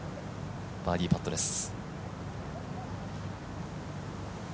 バーディーパットです。